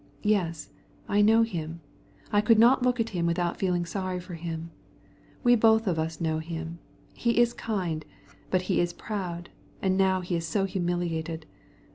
"Yes. I know him. I could not look at him without feeling sorry for him. We both know him. He's good hearted, but he's proud, and now he's so humiliated.